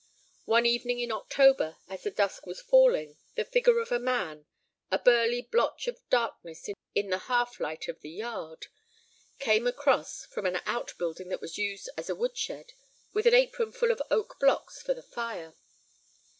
One evening in October, as the dusk was falling, the figure of a man, a burly blotch of darkness in the half light of the yard, came across from an out building that was used as a wood shed with an apron full of oak blocks for the fire.